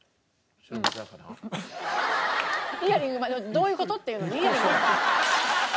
どういう事っていうのでイヤリングまで。